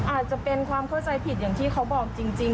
อาจจะเป็นความเข้าใจผิดอย่างที่เขาบอกจริง